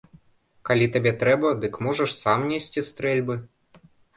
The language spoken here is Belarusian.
Калі табе трэба, дык можаш сам несці стрэльбы.